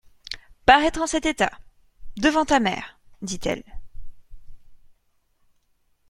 Paraître en cet état, devant ta mère, dit-elle!